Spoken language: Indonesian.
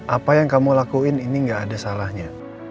apa yang kamu lakuin ini gak ada salahnya